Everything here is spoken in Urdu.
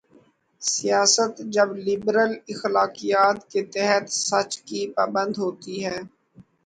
سیاست جب لبرل اخلاقیات کے تحت سچ کی پابند ہوتی ہے۔